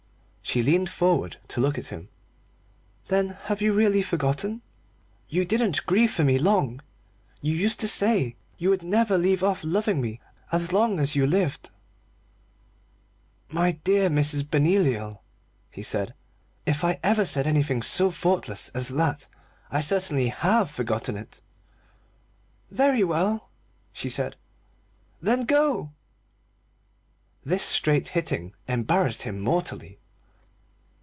She leaned forward to look at him. "Then you really have forgotten? You didn't grieve for me long! You used to say you would never leave off loving me as long as you lived." "My dear Mrs. Benoliel," he said, "if I ever said anything so thoughtless as that, I certainly have forgotten it." "Very well," she said; "then go!" This straight hitting embarrassed him mortally.